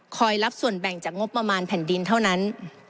รับส่วนแบ่งจากงบประมาณแผ่นดินเท่านั้น